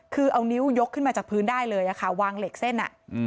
คือเอานิ้วยกขึ้นมาจากพื้นได้เลยค่ะวางเหล็กเส้น